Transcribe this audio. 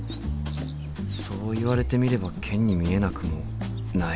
そう言われてみればケンに見えなくもないよな。